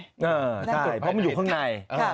ใช่เพราะมันอยู่ข้างใน